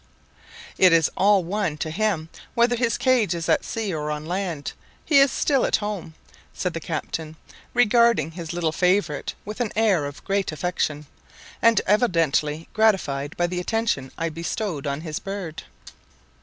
"It is all one to him whether his cage is at sea or on land, he is still at home," said the captain, regarding his little favourite with an air of great affection, and evidently gratified by the attention I bestowed on his bird.